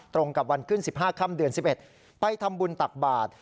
ตรงกับวันขึ้น๑๕ค่ำเดือน๑๑ไปทำบุญตักบาท